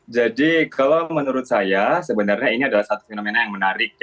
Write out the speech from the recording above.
jadi kalau menurut saya sebenarnya ini adalah satu fenomena yang menarik